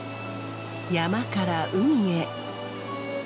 山から海へ。